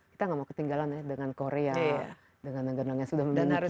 kita tidak mau ketinggalan dengan korea dengan negara negara yang sudah memiliki seni dress